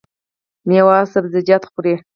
میوه او سبزیجات خورئ؟